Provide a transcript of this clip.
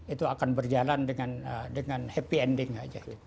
itu akan berjalan dengan happy ending aja